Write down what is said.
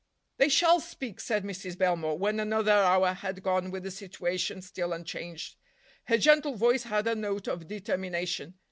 "They shall speak," said Mrs. Belmore when another hour had gone with the situation still unchanged. Her gentle voice had a note of determination.